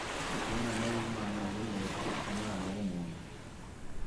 Umwana wlmana yemeye kwitw Umwana wUmuntu